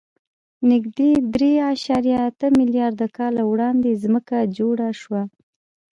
نږدې درې اعشاریه اته میلیارده کاله وړاندې ځمکه جوړه شوه.